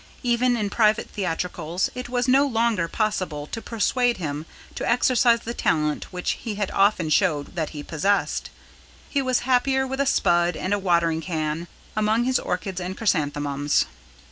Even in private theatricals it was no longer possible to persuade him to exercise the talent which he had often showed that he possessed. He was happier with a spud and a watering can among his orchids and chrysanthemums.